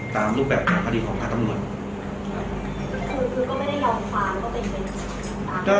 ตามรูปแบบใครคณีย์ต้องเป็นคำถามเค้า